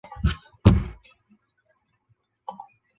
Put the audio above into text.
协定是世界贸易组织法律框架的组成部分。